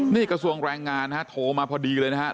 นี่กระทรวงแรงงานนะฮะโทรมาพอดีเลยนะครับ